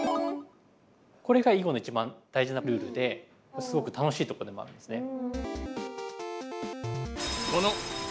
これが囲碁の一番大事なルールですごく楽しいとこでもあるんですね。